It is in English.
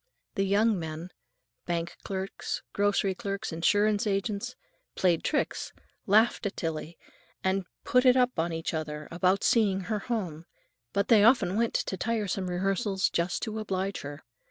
The young men—bank clerks, grocery clerks, insurance agents—played tricks, laughed at Tillie, and "put it up on each other" about seeing her home; but they often went to tiresome rehearsals just to oblige her.